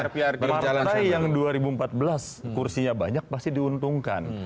partai yang dua ribu empat belas kursinya banyak pasti diuntungkan